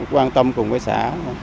quan tâm cùng với xã